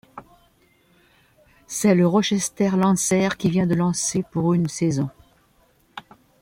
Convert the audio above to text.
C'est le Rochester Lancers qui vient le lancer pour une saison.